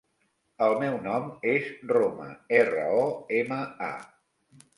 El meu nom és Roma: erra, o, ema, a.